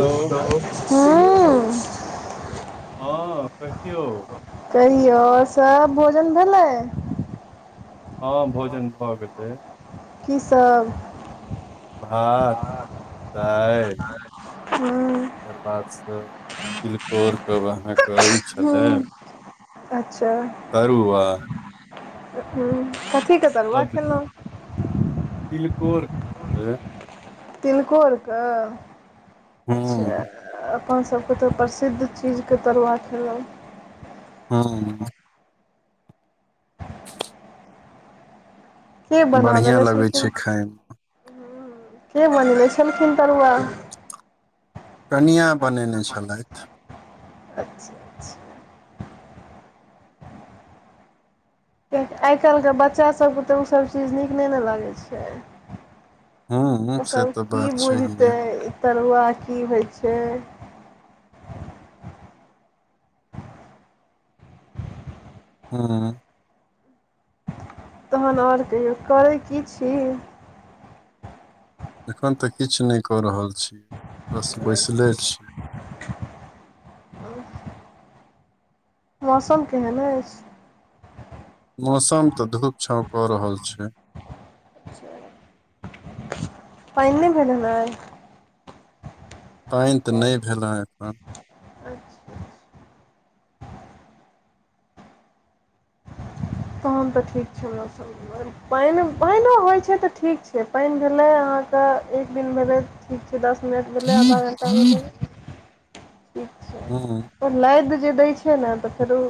Hello हँ कहियो कहियौ सब भोजन भेलै हँ भोजन भऽ गेलै की सब भात दाइल एकर बाद से तिलकोर कब अहाँ के अइ छलै हूँ तरुआ अच्छा कथी क सब्जी तिलकोर के तिलकोर के अच्छा हूँ अपन सबके तऽ प्रसिद्ध चीजके तरुआ खेलौ हू के बना बढ़िया देने लगै छलखिन छै खाय मे के बनने छलखिन तरुआ कनिया बनेने छलेथ अच्छा-अच्छा कियेकी आई काल्हिके बच्चा सबके तऽ ओसब चीज नीक नहि ने लगै छै हूँ से ओसब तऽ की बात छैहे बुझतै ई तरुआ की होए छै। हू तहन आर कहियौ करै की छी एखन तऽ किछ नहि कऽ रहल छी बस बैसले छी [unintelligible] मौसम केहन अइछ मौसम तऽ धूप छाव कऽ रहल छै अच्छा पइन नहि भेलै नैय। पाइन त नै भेल हँ अखन। अच्छा। तहन त ठीक छलों सब। पाइन पाइनो होइ छैय त ठीक छैय पाइन भेलै अहाँके एक दिन भेलै ठीक छैय दस मिनट भेलै आधा घण्टा एखन भेलै ठीक छैय। हँ। पर लाइद जे दै छैय ने त फेरो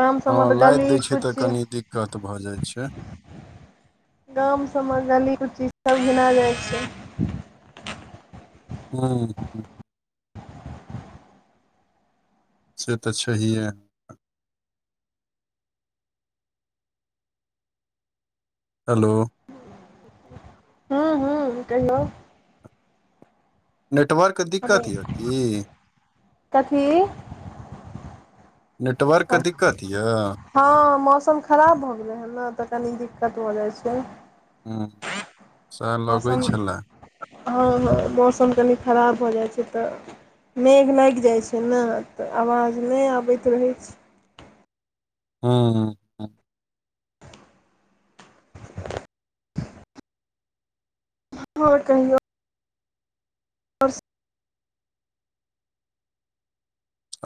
गाम सबमे हँ तऽ लाइद गली दय छैय त कुची कनी दिक्कत भऽ जाय छैय। गाम सबमे गली कुची सब घिना जाय छैय। हूँ। से त छैहे। हेलो। हँ- हँ कहियौ। नेटवर्कके हेलो दिक्कत यऽ की। कथी। नेटवर्कके दिक्कत यऽ। हँ मौसम खराब भ गेलै हन ने त कनी दिक्कत भ जाय छैय। हँ। मौसम हँ मौसम कनि खराब भ जाय छैय त मेघ लाइग जाइ छैय ने त आवाज नै आबैत रहै छैय। हु-हु। और कहियौ। और सब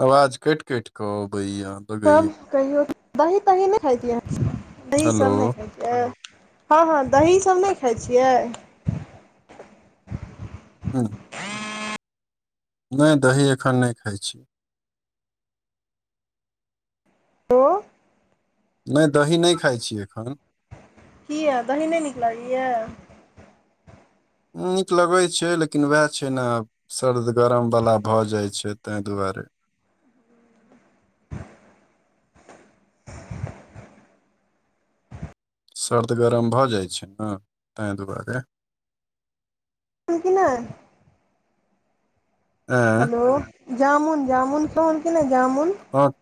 आवाज कटि कटि क अबैयऽ। और कहियो, दही-तही नै खैतियै। दही हेलो सब नै खाय हँ-हँ दही सब नै खाइ छियै। हँ। नै दही एखन नै खाइ छी। दूध। नै दही नै खाइ छियै एखन। किया दही नै नीक लागैये। नीक लगै छैय लेकिन वएह छैय ने आब सर्द गरम वला भ जाय छैय तय दुआरे। सर्द गरम भ जाइ छैय ने तय दुआरे। की नै। एँ हेलो जामुन- जामुन खेलौं कि नै जामुन। ह।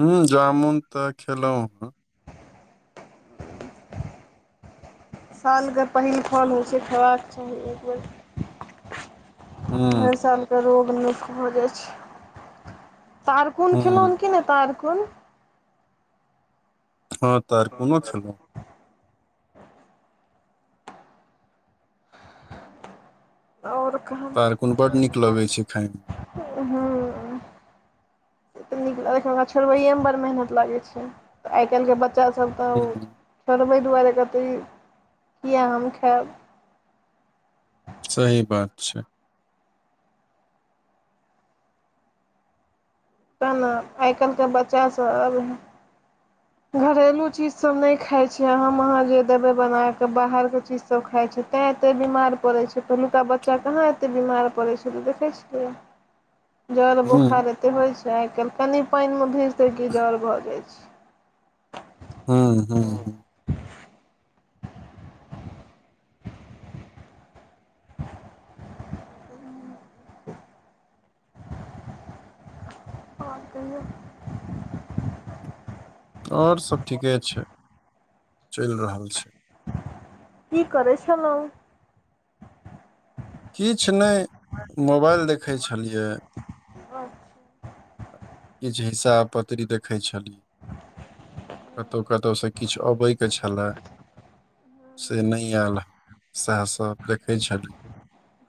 हू जामुन त खेलौं हेँ। सालके पहिल फल होइ छैय खेबाक चाही एक बेर। हर हुँ, सालके रोग नीक भ जाइ छैय। तारकुन खेलौं हुँ, कि नै तारकुन। हँ तारकुनो खेलौं। और कहाँ तारकुन बड नीक लगै छैय खायमे। हँ। ओ तऽ नीक लगै छै लेकिन छोड़बैएमे बड़ मेहनत लागै छै, आइ काल्हिके बच्चासभ तब हुँ, छोड़बै दुआरे कहतै किए हम खायब। सही बात छै। ते न आइ काल्हिके बच्चा सभ आब घरेलू चीज सब नहि खाय छै हम अहाँ जे देबे बनाके, बाहर के चीज सब खाइ छै तैँ एतै बीमार पड़ै छै पहिलुका बच्चा कहाँ एते बीमार पड़ै छलै, देखै छियै। [inaudible] जर हुँ, बोखार एते होइत छै आइ काल्हि, कनि पानि मे भीजतई की जर भऽ जाइ छै। हुं हुं हुं। और कहिऔ। आओर सब ठीके छै, चलि रहल छै। की करै छलहुँ। किछ नईं, मोबाइल देखै छलियै। [inaudible] किछ हिस्साब पतरी देखै छलियै। कतहु कतहुसँ किछु अबैके छले। से नहि आयल सैह सभ देखै छलियै।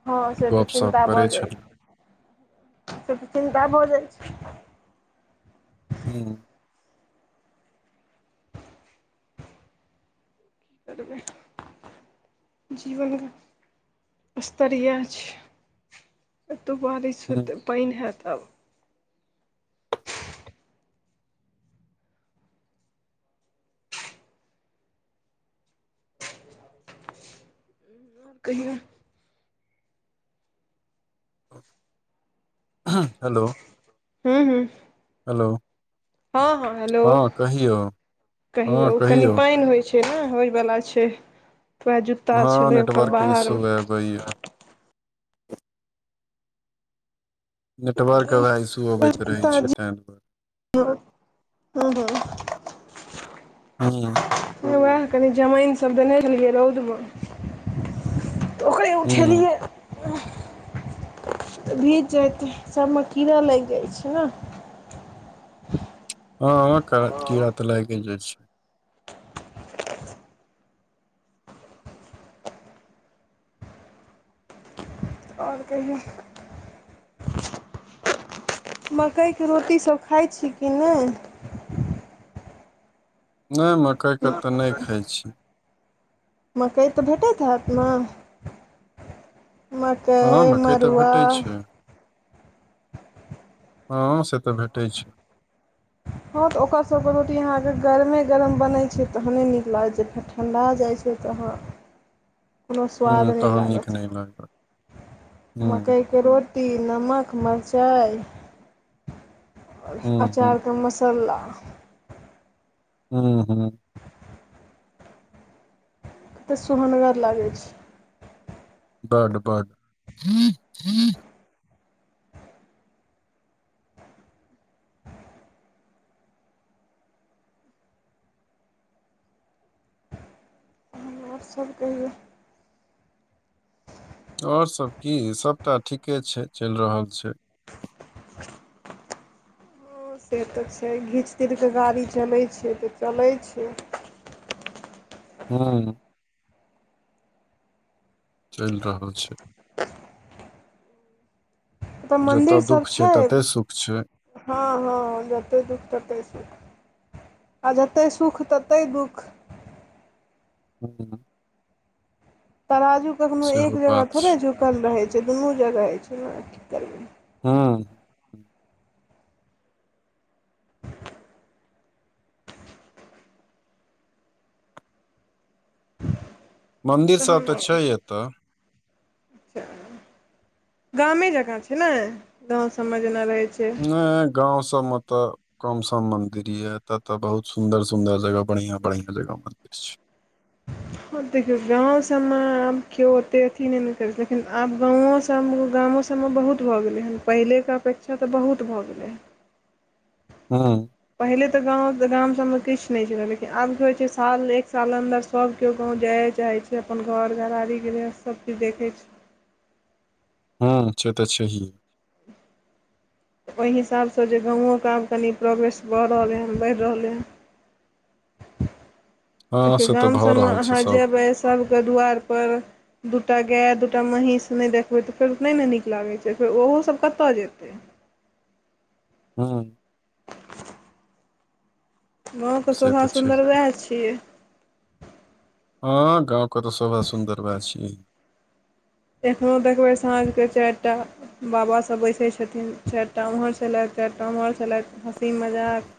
हँ से तऽ चिन्ता भऽ जाइ छली, छै, से तऽ चिन्ता भऽ जाइ छै। हुं। तब [inaudible] जीवन के स्तर यैह छै। एतऽ बारिश हुँ, हेतै, पानि हैत आब। [inaudible] आर कहियौ। हेलो। हुं हुं। हेलो। हँ हँ हेलो, हँ कहियौ, कहियौ कनि पानि होइ छै। छै ने होय वला छै, जूता छलै ओकर बाहर। तइ [inaudible] नेटवर्क हवा इशू अबैत रहे छै तै दुआरे। हुं हुं। हँ। वैह कनि जमाइनसभ देने रहियै रौदमे तऽ ओकरे हूं उठेलियै। भीज जैतै सबमे कीड़ा लागि जाइ छै ने। हँ करा कीड़ा तऽ लाइगे जाइ छै। आओर कहियौ। मकइके रोटीसभ खाइ छी कि नै। नै मकइके तऽ नै खाइ छी। मकइ तऽ भेटैत हैत ने। हँ मकइ, तऽ मड़ुआ। भेटै छै हँ से तऽ भेटै छै। हँ तऽ ओकर सभके रोटी अहाँके गरमे गरम बनै छै तखने नीक लागै छै, फेर ठण्डा जाइ छै तऽ अहाँ कोनो स्वाद हूं नहि तहन नीक लागत, नहि लागल हूं मकइ के रोटी, नमक, मरचाय, हूं हूं अचार के मसल्ला हां-हां। तऽ सुहनगर लागै छै। बड्ड-बड्ड और सब कहियौ? और सब की सबटा ठीके छै, चैल रहल छै। हँ से तै छै घीच तिर के गाड़ी चलै छै तऽ चलै छै। हां। चैल रहल छै। ओता जतऽ मन्दिर सब दुःख छै? तते सुख छै हां-हां-हां जतै दुःख ततै सुख। आ जतए सुख ततै दुःख। हां। तराजू कखनो एक जगह थोड़े झुकल रहै छै, दुनू जगह हय छै हां की करबै। हां। मंन्दिर सब तै तहन छै एता। गामे जकाँ छै नै, गांव सब में जेना रहय छै। नै गाँव सबमें त कम सम मंदिर यै, एता तै बहुत सुंदर जगह बढ़िया-बढ़िया जगह मंदिर छै। हां देखियौ गाँव सबमे आब कियो ओते अथी नै करै छै लेकिन आब गाँवो सब में गामो सबमे सबमे बहुत भऽ गेलै हें, पहिलेके अपेक्षा तऽ बहुत भऽ गेलै हें। हां। पहिले तऽ गाँव गाम सबमें किछ नै छलै लेकिन आब की होय छै साल एक साल अन्दर सब कियो गाँव जाऐ चाहै छै, अपन घर घरारी गृहस्थ सब किछ देखय छै। हां से तऽ छहीए। ओय हिसाब से जे गाँवो के आब कनि प्रोग्रेस भ रहलै हन, बढ़ रहलै हन। हँ देखियो से तऽ गाम भऽ सबमें रहल छै अहाँ सब जयबै सबके दुआर पर दूटा गाए, दूटा महीस नै देखबै तऽ फेर उ नै नै नीक लागै छै फेर ओहो सब कतय जेतय। हां। गाँव के से तऽ छै शोभा-सुन्दर वैह छियै। हां गाँव के तै शोभा सुन्दर वैह छियै। एखनो देखबै साँझ के चाएर टा बाबा सब बैसै छथिन चाएर टा उम्हर छलैथ, चार टा उम्हर छलैथ, हँसी-मजाक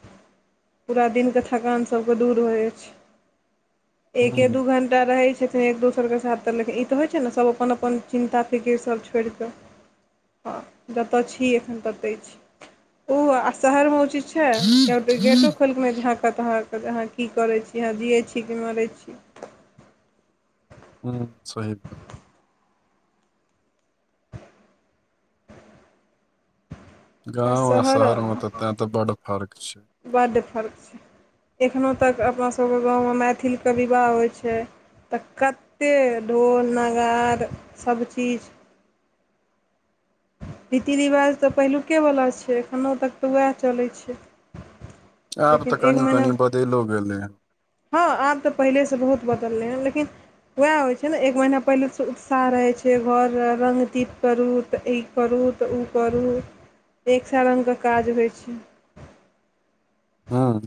पूरा दिन के थकान सबके दूर भ जाय छै। हूँ एके दू घण्टा रहय छथिन एक दोसर के साथ तै लेकिन ई तऽ होय छै नै सब अपन अ पन चिन्ता फीकीर सब छोड़ि कै हां जता छी एखन ततैय छी। उ आ शहर मे उ चीज छै कियो ई गेटो खोएल कै नै झाकत अहां के अहां की करै छी, अहां जियै छी की मरय छीयै। हुं सही बात गाँव आ शहर में तै तऽ बड फर्क छै। बड्ड फर्क छै, एखनो तक अपना सबके गाँवमे मैथिलके विवाह होय छै। तऽ कत्ते ढोल नगार सब चीज रीति-रिवाज तऽ पहिलुके बला छै एखनो तक तै वैह चलय छै। आब लेकिन तै कनि-कनि बदैलो गेलय हें। हां आब तै पहिले से बहुत बदलै हें लेकिन वैह होइ छै ने, एक महिना पहिले उत्साह रहै छै, घर रङ्गतीप करू, तऽ ई करू तऽ ऊ करू, एक सैऽ रंग क काज होइ छै। हँ।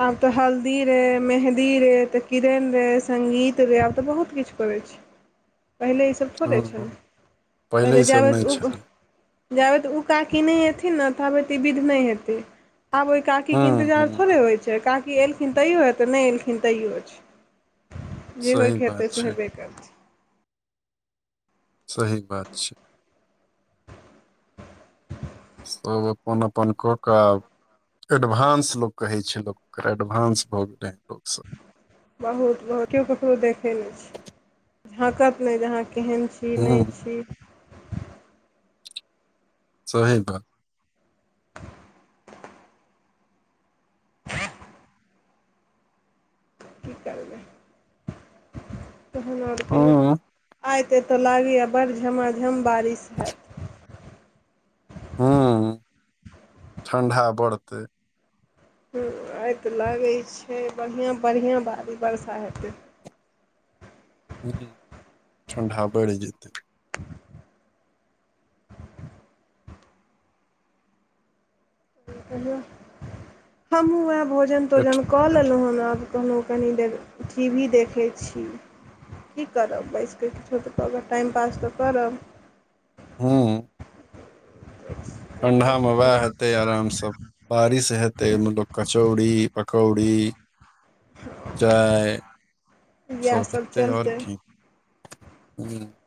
आब त हल्दी रे, मेहदी रे, त किदैन रे, संगीत रे, आब त बहुत किछ करै पहिले ई सब थोड़े छल? हँ पहिले ई सब जाबेत नहि ऊगऽ छलै जाबेत ऊ काकी नैय एथिन न ताबेत ई बिध नैय हेतै, आब ओइ काकी के हूँ इन्तजार हूँ थोड़े होइ छै? काकी एलखिन तैयो हेतै, नैय एलखिन तैयो छै। जे होइ सही के बात हेतै, से छै हेबे करतै। सही बात छै। सब अपन अपन कऽ कऽ आब एडभांस लोक कहै छै लोक ओकरा, एडभांस भऽ गेलै हेँ लोकसब। बहुत बहुत केओ ककरो देखै नै छै, झाँकत नैय जे अहाँ केहन छी? की नैय हूँ छी। सहे बात। कि करबै? तहन और कहियौ? हूँ आय त एतऽ लागैयैऽ बड़ झमा झम बारिश हैत। हॅं ठण्डा बड़्हतै। हुं, आइ तऽ लागै छै, बढ़िआँ बढ़िआँ बारी-वर्षा हेतै। ह्म्म, ठण्डा बड़्हि जेतै। [inaudible] कहियौ? हमू वैह एठ भोजन-तोजन कऽ लेलौं हन आब, कहलौं कनी देर टी वी देखै छी। की करब? बैइस कऽ किछो तऽ क कऽ टाइम पास तऽ करब। हँ। ठण्ढा़ मे वैह हेतै आराम स बारिश हेतै ओइ में लोक कचौड़ी पकौड़ी चाय सब इएहसभ हेतै, और चलतै की? ह्म्म।